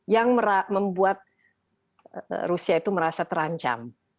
yang membuat rusia itu merasa terancam